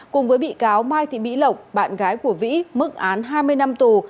cùng với bị cáo mai thị mỹ lộc bạn gái của vĩ mức án hai mươi năm tù